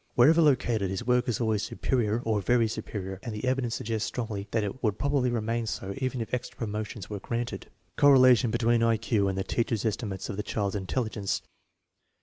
Wher ever located, his work is always *' superior " or " very superior/* and the evidence suggests strongly that it would probably remain so even if extra promotions were granted. Correlation between I Q and the teachers* estimates of the children's intelligence.